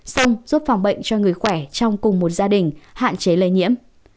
xong giúp phòng bệnh cho người khỏe trong cùng một gia đình hạn chế lây nhiễm